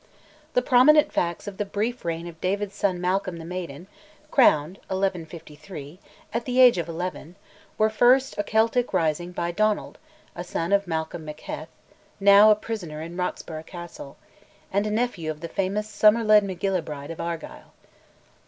The prominent facts in the brief reign of David's son Malcolm the Maiden, crowned (1153) at the age of eleven, were, first, a Celtic rising by Donald, a son of Malcolm MacHeth (now a prisoner in Roxburgh Castle), and a nephew of the famous Somerled Macgillebride of Argyll.